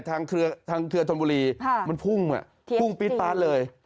ทางเครือธนบุรีมันพุ่งพุ่งปี๊ดป๊าดเลย